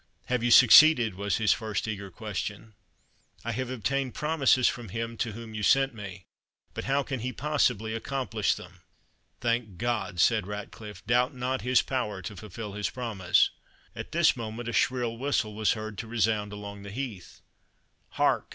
"Have you succeeded?" was his first eager question. "I have obtained promises from him to whom you sent me; but how can he possibly accomplish them?" "Thank God!" said Ratcliffe; "doubt not his power to fulfil his promise." At this moment a shrill whistle was heard to resound along the heath. "Hark!"